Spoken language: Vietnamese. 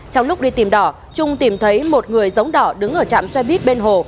trong lúc đi tìm đỏ trung tìm thấy một người giống đỏ đứng ở trạm xe buýt bên hồ